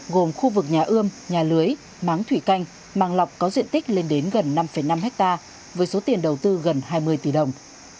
gồm khu vực nhà ươm nhà lưới máng thủy canh màng lọc có diện tích lên đến gần năm năm hectare với số tiền đầu tư gần hai mươi tỷ đồng